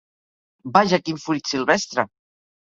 Vaja quin fruit silvestre!